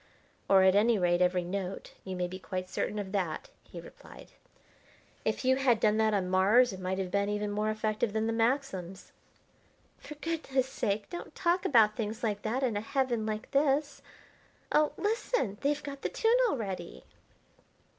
"Or, at any rate, every note. You may be quite certain of that," he replied. "If you had done that on Mars it might have been even more effective than the Maxims." "For goodness sake don't talk about things like that in a heaven like this! Oh, listen! They've got the tune already!"